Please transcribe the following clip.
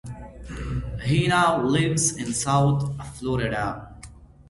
He now lives in South Florida.